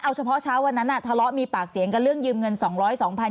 เอาเฉพาะเช้าวันนั้นทะเลาะมีปากเสียงกันเรื่องยืมเงิน๒๐๐๒๐๐บาท